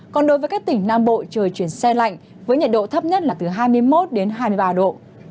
còn đối với các tỉnh nam bộ trời chuyển xe lạnh với nhiệt độ thấp nhất là từ hai mươi một đến hai mươi ba độ